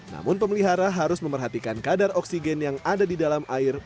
namun pemelihara harus memerhatikan kadar oksigen yang ada di dalam air